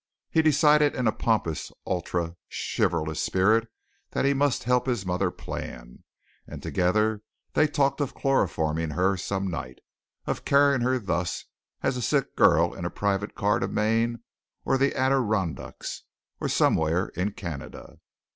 He decided in a pompous, ultra chivalrous spirit that he must help his mother plan, and together they talked of chloroforming her some night, of carrying her thus, as a sick girl, in a private car to Maine or the Adirondacks or somewhere in Canada.